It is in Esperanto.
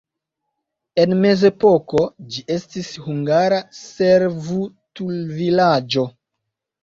En mezepoko ĝi estis hungara servutulvilaĝo.